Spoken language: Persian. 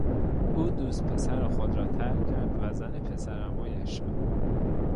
او دوست پسر خود را ترک کرد و زن پسر عمویش شد.